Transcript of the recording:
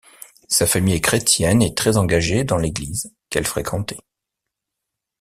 Sa famille est chrétienne et très engagées dans l’Église qu'elle fréquentait.